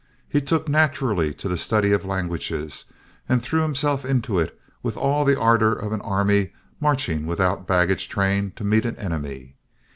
He took naturally to the study of languages, and threw himself into it with all the ardor of an army marching without baggage train to meet an enemy.